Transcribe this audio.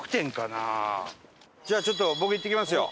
じゃあちょっと僕行ってきますよ。